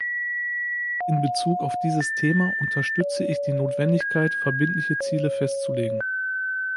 In Bezug auf dieses Thema unterstütze ich die Notwendigkeit, verbindliche Ziele festzulegen.